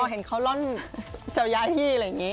เห็นเขาร่อนเจ้าย้ายที่อะไรอย่างนี้